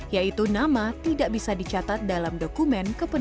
yaitu nama tidak bisa dicatat dalam perbicaraan